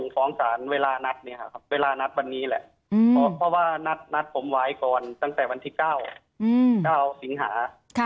เพราะว่านัดผมวายก่อนตั้งแต่วันที่๙สิงหา